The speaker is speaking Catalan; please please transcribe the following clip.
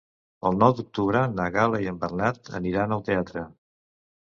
El nou d'octubre na Gal·la i en Bernat aniran al teatre.